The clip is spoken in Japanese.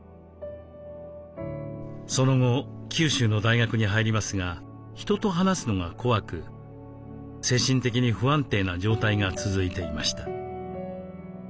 その後九州の大学に入りますが人と話すのが怖く精神的に不安定な状態が続いていました。